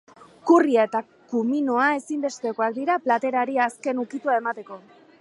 Currya eta kuminoa ezinbestekoak dira platerari azken ukitua emateko.